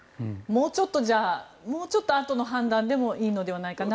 もうちょっとあとの判断でもいいのではないかなと。